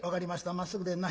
まっすぐでんな。